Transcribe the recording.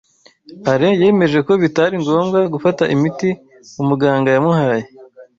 Alain yemeje ko bitari ngombwa gufata imiti umuganga yamuhaye.